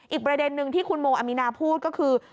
อีกประเด็นนึงที่คุณโมอามีนาพูดก็คือ